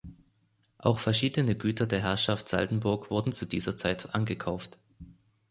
Auch verschiedene Güter der Herrschaft Saldenburg wurden zu dieser Zeit angekauft.